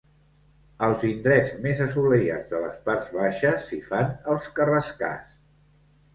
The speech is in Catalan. Als indrets més assolellats de les parts baixes, s'hi fan els carrascars.